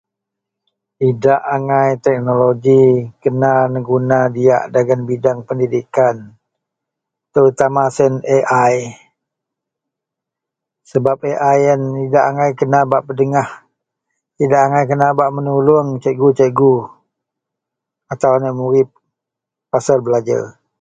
Idak angai teknoloji kena neguna diyak dagen bidang pendidikan tertuma siyen AI sebab AI iyen idayak angai kena bak pedengah idak angai bak menulong cikgu-cikgu atau anek murit pasel belajer.